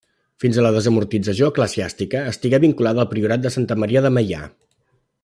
Fins a la desamortització eclesiàstica estigué vinculada al priorat de Santa Maria de Meià.